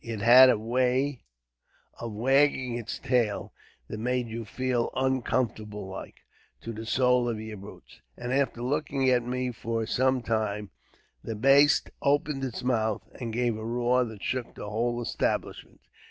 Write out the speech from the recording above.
It had a way of wagging its tail that made you feel uncomfortable like, to the sole of yer boots; and after looking at me for some time, the baste opened its mouth, and gave a roar that shook the whole establishment.